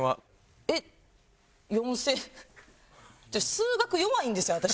数学弱いんですよ私。